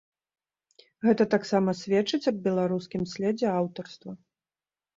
Гэта таксама сведчыць аб беларускім следзе аўтарства.